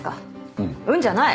「うん」じゃない！